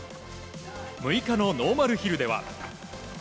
６日のノーマルヒルでは。